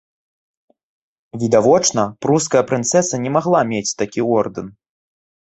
Відавочна, пруская прынцэса не магла мець такі ордэн!